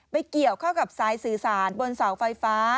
เกี่ยวเข้ากับสายสื่อสารบนเสาไฟฟ้า